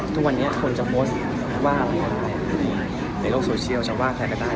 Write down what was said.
ทุกวันเนี้ยคนจะไว้สงสัยว่าในโลกโซเชียลว่าใครก็ได้